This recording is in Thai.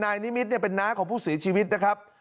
นิมิตรเป็นน้าของผู้เสียชีวิตนะครับ